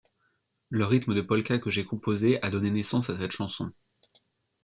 Le rythme de polka que j'ai composé a donné naissance à cette chanson.